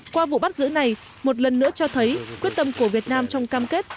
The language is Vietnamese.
qua vụ bắt giữ này một lần nữa cho thấy quyết tâm của việt nam trong cam kết